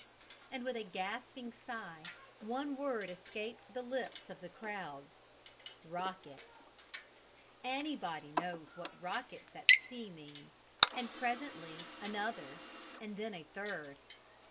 And with a gasping sigh one word escaped the lips of the crowd: "Rockets!" Anybody knows what rockets at sea mean. And presently another, and then a third.